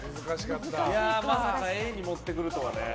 まさかＡに持ってくるとはね。